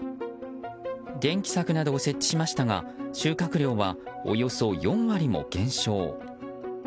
電気柵などを設置しましたが収穫量はおよそ４割も減少。